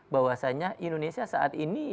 bahwasannya indonesia saat ini